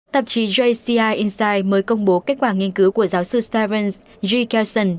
tạp chí jci insight mới công bố kết quả nghiên cứu của giáo sư steven g kersen